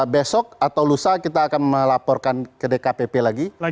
besok atau lusa kita akan melaporkan ke dkpp lagi